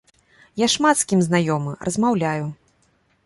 Я шмат з кім знаёмы, размаўляю.